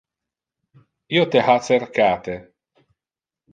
Io te ha cercate.